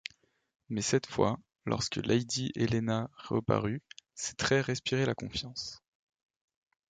Mais cette fois, lorsque lady Helena reparut, ses traits respiraient la confiance.